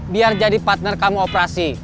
biar jadi partner kamu operasi